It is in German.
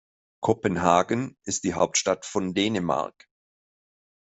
Kopenhagen ist die Hauptstadt von Dänemark.